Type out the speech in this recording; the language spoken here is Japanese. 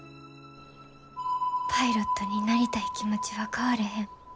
パイロットになりたい気持ちは変われへん。